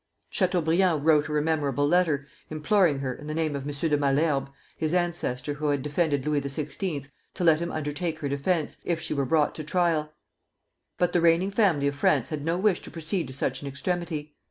Chateaubriand wrote her a memorable letter, imploring her, in the name of M. de Malesherbes, his ancestor who had defended Louis XVI., to let him undertake her defence, if she were brought to trial; but the reigning family of France had no wish to proceed to such an extremity.